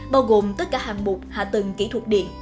bao gồm tất cả hạng mục hạ tầng kỹ thuật điện